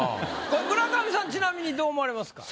これ村上さんちなみにどう思われますか？